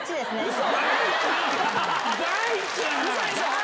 大ちゃん！